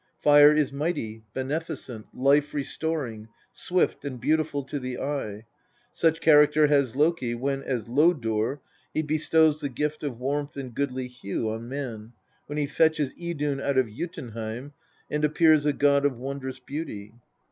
Fire is mighty, beneficent, life restoring, swift, and beautiful to the eye ; such character has Loki when, as Lodur, he bestows the gift of warmth and goodly hue on man, when he fetches Idun out of Jotunheim, and appears a god of wondrous beauty.